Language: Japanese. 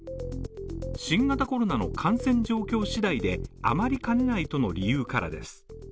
新型コロナの感染状況次第で、あまりかねないとの理由からです。